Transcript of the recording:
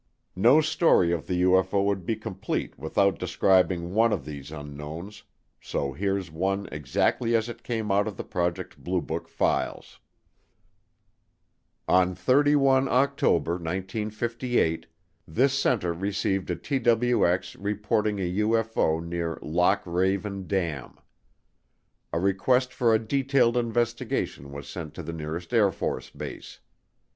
No story of the UFO would be complete without describing one of these unknowns, so here's one exactly as it came out of the Project Blue Book files: "On 31 October 1958, this Center received a TWX reporting an UFO near Lock Raven Dam. A request for a detailed investigation was sent to the nearest Air Force Base.